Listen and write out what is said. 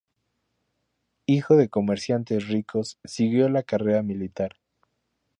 Hijo de comerciantes ricos, siguió la carrera militar.